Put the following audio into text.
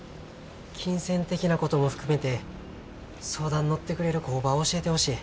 金銭的なことも含めて相談乗ってくれる工場教えてほしい。